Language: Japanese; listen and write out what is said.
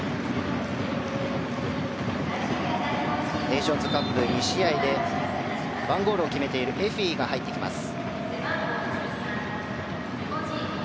ネーションズカップ２試合で１ゴールを決めているエフィーが入ってきます。